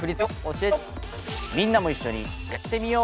みんなもいっしょにやってみよう！